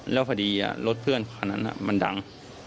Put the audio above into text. แล้วพอดีรถเพื่อนคันนั้นมันดัง